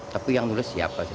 tapi yang dulu siapa sih